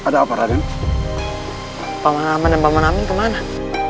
biar aku yang mencari keamanan